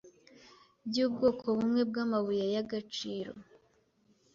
byubwoko bumwe bwamabuye y'agaciro